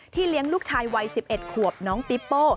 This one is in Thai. เลี้ยงลูกชายวัย๑๑ขวบน้องปิ๊ปโป้